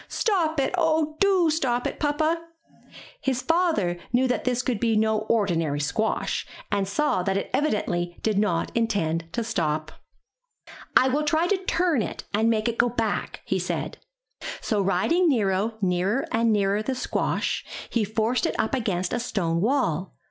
''Stop it, oh, do stop it. Papa/' His father knew that this could be no ordinary squash, and saw that it evidently did not intend to stop* '*I will try to turn it and make it go back," he said; so riding Nero nearer and nearer the squash, he forced it up against a stone wall.